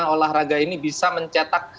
olahraga ini bisa mencetak